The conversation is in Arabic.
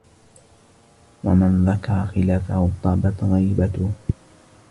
وَمَنْ ذَكَرَ خِلَافَهُ طَابَتْ غَيْبَتُهُ